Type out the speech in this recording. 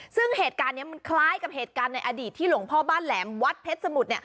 ซึ่งเหตุการณ์นี้มันคล้ายกับเหตุการณ์ในอดีตที่หลวงพ่อบ้านแหลมวัดเพชรสมุทร